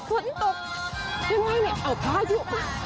ฝนตกยังไงเนี่ยเอาพายุมา